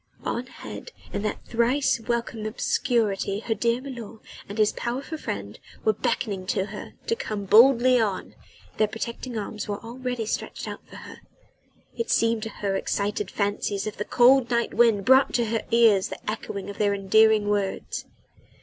On ahead in that thrice welcome obscurity her dear milor and his powerful friend were beckoning to her to come boldly on their protecting arms were already stretched out for her; it seemed to her excited fancy as if the cold night wind brought to her ears the echo of their endearing words.